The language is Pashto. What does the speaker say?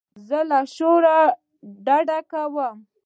زه له شور ډډه کوم.